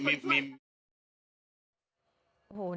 หนีอยู่เอามาตาย